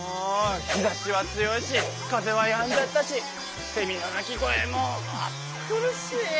日ざしは強いし風はやんじゃったしせみの鳴き声も暑苦しい！